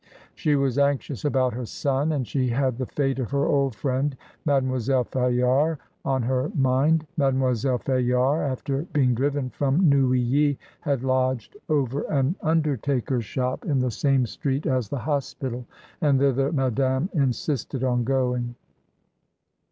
She was anxious about her son, and she had the fate of her old friend. Mademoiselle Fayard, on her mind. Madeipoiselle Fayard, after being driven fi'om Neuilly, had lodged over an undertaker's shop in ADIEU LES SONGES D'OR. 1 85 the same street as the hospital, and thither Madame insisted on going.